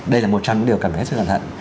đây là một trong những điều cần hết sức cẩn thận